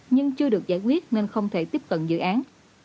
nhưng chưa được giải quyết nên không thể tiếp cận dự án